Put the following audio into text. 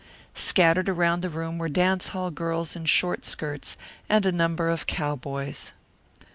Scattered around the room were dance hall girls in short skirts, and a number of cowboys.